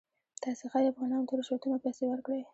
تاسې ښایي افغانانو ته رشوتونه او پیسې ورکړئ.